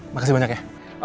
makasih banyak ya